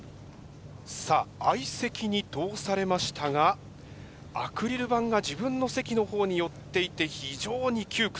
さあ相席に通されましたがアクリル板が自分の席の方に寄っていて非常に窮屈。